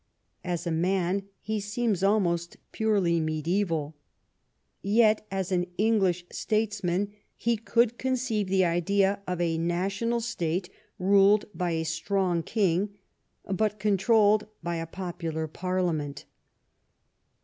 As a man he seems almost purely mediaeval. Yet as an English states man he could conceive the idea of a national state ruled by a strong king, but controlled by a popular Parliament.